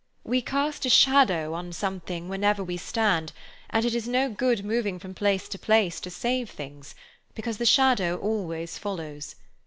"We cast a shadow on something wherever we stand, and it is no good moving from place to place to save things; because the shadow always follows.